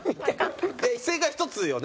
正解は１つよね